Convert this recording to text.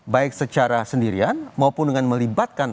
baik secara sendirian maupun dengan melibatkan